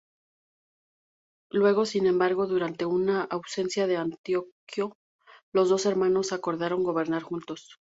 Luego, sin embargo, durante una ausencia de Antíoco los dos hermanos acordaron gobernar juntos.